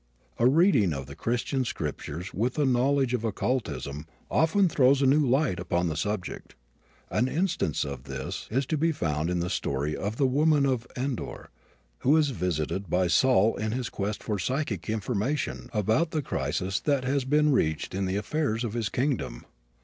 A reading of the Christian scriptures with a knowledge of occultism often throws a new light upon the subject. An instance of this is to be found in the story of the woman of Endor who is visited by Saul in his quest for psychic information about the crisis that has been reached in the affairs of his kingdom.